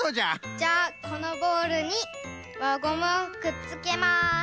じゃこのボールにわごむをくっつけます。